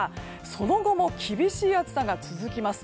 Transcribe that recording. その後も厳しい暑さが続きます。